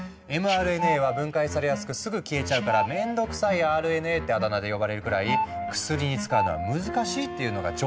ｍＲＮＡは分解されやすくすぐ消えちゃうから「めんどくさいＲＮＡ」ってあだ名で呼ばれるくらい「薬に使うのは難しい」っていうのが常識だったからなんだ。